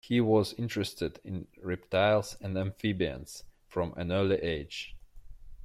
He was interested in reptiles and amphibians from an early age.